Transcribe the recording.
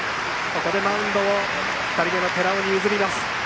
ここでマウンドを２人目の寺尾に譲ります。